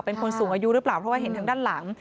เป็นคนสูงอายุหรือเปล่าเพราะว่าเห็นทางด้านหลัง